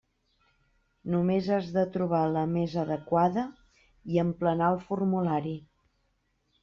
Només has de trobar la més adequada i emplenar el formulari.